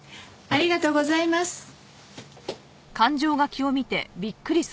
ありがとうございます。